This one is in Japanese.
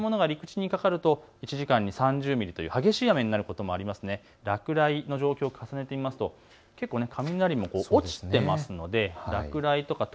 点々とした雨雲があって、こういったものが陸地にかかると１時間に３０ミリの激しい雨になることもありますので落雷の状況を重ねてみますと結構、雷も落ちています。